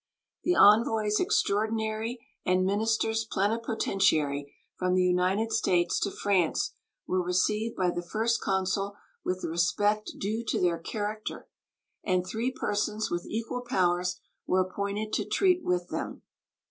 The envoys extraordinary and ministers plenipotentiary from the United States to France were received by the First Consul with the respect due to their character, and 3 persons with equal powers were appointed to treat with them.